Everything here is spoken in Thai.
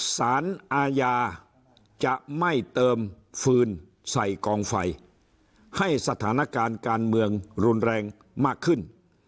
สารอาญาจะไม่เติมฟืนใส่กองไฟให้สถานการณ์การเมืองรุนแรงมากขึ้น